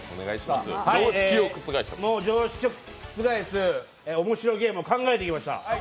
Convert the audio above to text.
常識を覆す面白ゲームを考えてきました。